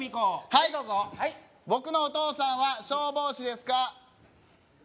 はいどうぞ僕のお父さんは消防士ですか？